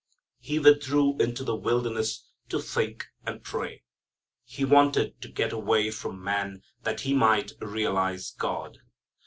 He withdrew into the wilderness to think and pray. He wanted to get away from man that He might realize God.